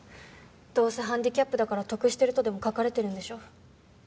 どうせ「ハンディキャップだから得してる」とでも書かれてるんでしょ。